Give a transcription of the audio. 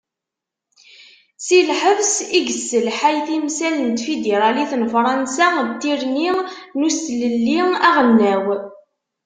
Si lhebs, i yesselḥay timsal n tfidiralit n fransa n tirni n uselelli aɣelnaw.